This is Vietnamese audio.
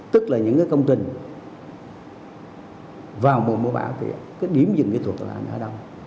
tức là những công trình vào mùa mưa bão thì điểm dừng kỹ thuật là ở đâu